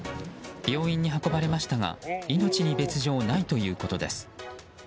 病院に運ばれましたが命に別状ないということです。